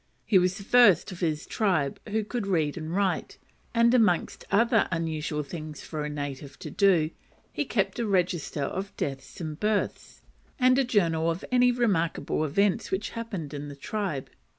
He was the first of his tribe who could read and write; and, amongst other unusual things for a native to do, he kept a register of deaths and births, and a journal of any remarkable events which happened in the tribe.